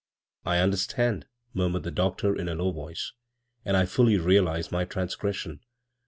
" I understand," murmured the doctor in a ow voice, " and I fully realize my transgres ion.